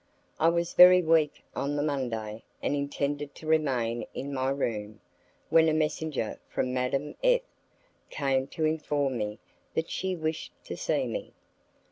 I was very weak on the Monday, and intended to remain in my room, when a messenger from Madame F came to inform me that she wished to see me.